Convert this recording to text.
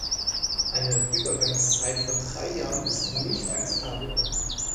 Eine Übergangszeit von drei Jahren ist nicht akzeptabel.